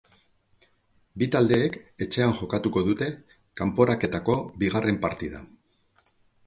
Bi taldeek etxean jokatuko dute kanporaketako bigarren partida.